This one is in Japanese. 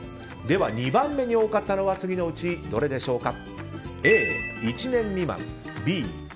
では、２番目に多かったのは次のうちどれでしょうか？